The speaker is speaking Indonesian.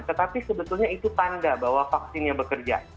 tetapi sebetulnya itu tanda bahwa vaksinnya bekerja